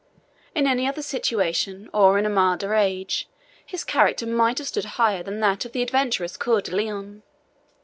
In any other situation, or in a milder age, his character might have stood higher than that of the adventurous Coeur de Lion.